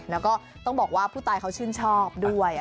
แล้วก็ต้องบอกว่าผู้ตายเขาชื่นชอบด้วย